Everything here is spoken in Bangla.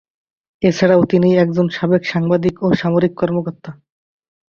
এছাড়াও তিনি একজন সাবেক সাংবাদিক ও সামরিক কর্মকর্তা।